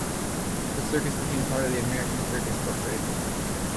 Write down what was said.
The circus became part of the American Circus Corporation.